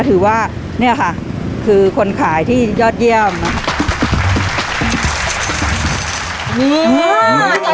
ถือว่าเนี่ยค่ะคือคนขายที่ยอดเยี่ยมนะคะ